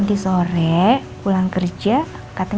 nanti sore pulang kerja katanya